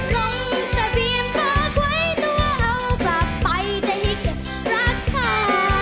ลงทะเบียนฝากไว้ตัวเอากลับไปจะให้เก็บรักษา